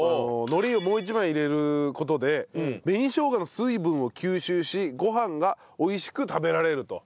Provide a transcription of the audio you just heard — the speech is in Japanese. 海苔をもう１枚入れる事で紅生姜の水分を吸収しご飯が美味しく食べられると。